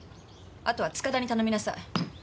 あとは塚田に頼みなさい